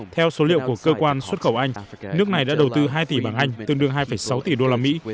theo số liệu của cơ quan xuất khẩu anh nước này đã đầu tư hai tỷ bảng anh tương đương hai sáu tỷ đô la mỹ